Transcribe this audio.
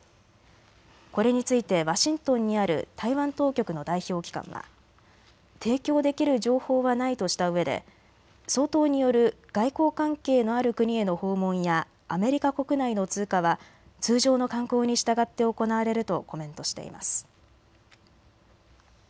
これについてワシントンにある台湾当局の代表機関は提供できる情報はないとしたうえで総統による外交関係のある国への訪問やアメリカ国内の通過は通常の慣行に従って行われるとコメントしています。